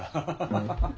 ハハハ。